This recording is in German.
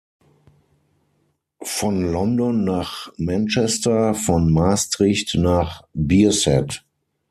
Von London nach Manchester, von Maastricht nach Bierset.